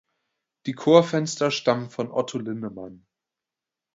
Die Chorfenster stammen von Otto Linnemann.